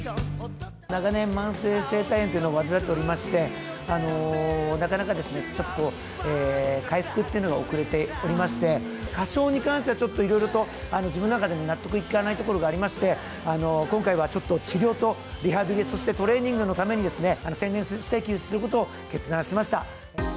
長年、慢性声帯炎というのを患っておりまして、なかなかちょっと回復っていうのが遅れておりまして、歌唱に関しては、ちょっといろいろと自分の中でも納得いかないところがありまして、今回はちょっと治療とリハビリ、そしてトレーニングのためにですね、専念して、休止することを決断しました。